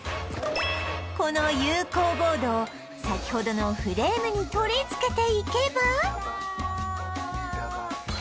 この有孔ボードを先ほどのフレームに取り付けていけば